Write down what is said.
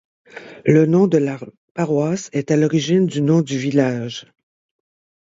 Le nom de la paroisse est à l'origine du nom du village.